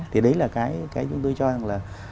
thì đấy là cái chúng tôi cho rằng là